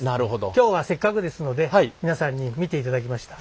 今日はせっかくですので皆さんに見ていただきました。